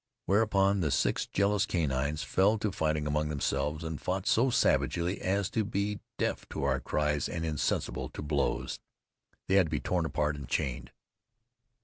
Whereupon the six jealous canines fell to fighting among themselves, and fought so savagely as to be deaf to our cries and insensible to blows. They had to be torn apart and chained.